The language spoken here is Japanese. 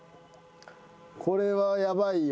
これはヤバいよ。